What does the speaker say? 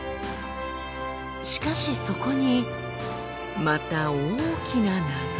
しかしそこにまた大きな謎が。